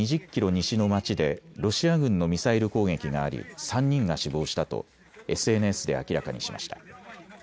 西の街でロシア軍のミサイル攻撃があり３人が死亡したとＳＮＳで明らかにしました。